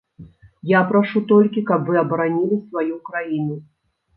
Я прашу толькі, каб вы абаранілі сваю краіну.